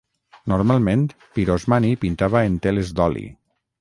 Normalment, Pirosmani pintava en teles d'oli.